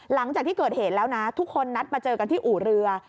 หลังจากที่เกิดเหตุแล้วนะทุกคนนัดมาเจอกันที่อู่เรือ